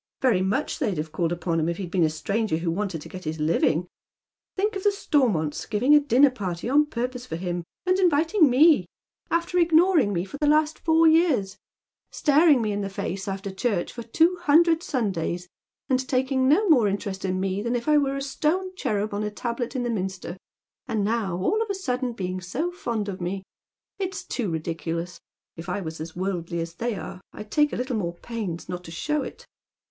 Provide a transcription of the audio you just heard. Very much they'd have called upon him if he'd been a stranger who wanted to get his living. Think of the Stonnonts ^ving a diunei' pjuty on pui poa© for him, and inviting 'iiie — alter ignoring o 50 Dead Men's Shoes. tae for the last four years— staring me in the face, after church, for two hundred Sundays, and taking no more interest in me than if I were a stone cherub on a tablet in the minster, and now, all of a sudden, being so fond of me. It's too ridiculous. 7f I was as worldly as they are, I'd take a little more pains not to show it."